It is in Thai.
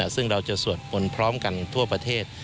ซึ่งเราจะสวดมนต์พร้อมกันทั่วประเทศ